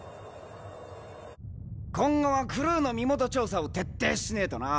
今後はクルーの身元調査を徹底しねぇとな。